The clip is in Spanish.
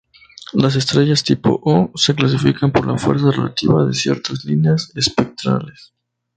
Las estrellas tipo O se clasifican por la fuerza relativa de ciertas líneas espectrales.